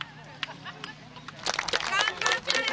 頑張ったよ！